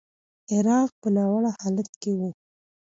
عراق په ناوړه حالت کې و.